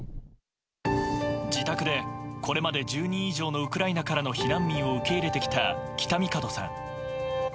自宅で、これまで１０人以上のウクライナからの避難民を受け入れてきた北御門さん。